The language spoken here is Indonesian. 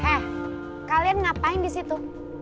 heh kalian ngapain disitu